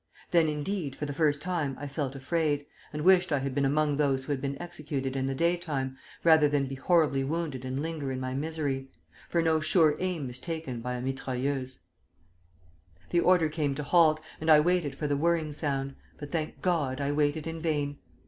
Then, indeed, for the first time I felt afraid, and wished I had been among those who had been executed in the daytime, rather than be horribly wounded and linger in my misery; for no sure aim is taken by a mitrailleuse. "The order came to halt, and I waited for the whirring sound; but, thank God! I waited in vain.